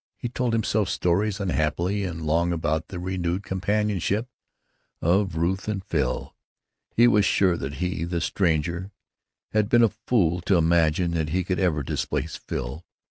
He told himself stories unhappy and long about the renewed companionship of Ruth and Phil. He was sure that he, the stranger, had been a fool to imagine that he could ever displace Phil.